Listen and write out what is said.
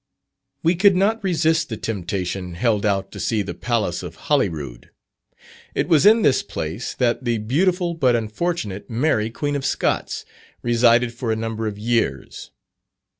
We could not resist the temptation held out to see the Palace of Holyrood. It was in this place that the beautiful, but unfortunate Mary, Queen of Scots, resided for a number of years.